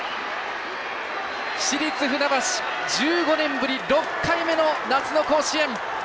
市立船橋、１５年ぶり６回目の夏の甲子園！